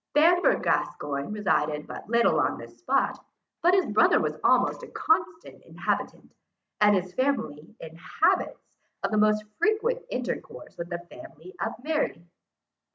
Bamber Gascoyne resided but little on this spot; but his brother was almost a constant inhabitant, and his family in habits of the most frequent intercourse with the family of Mary.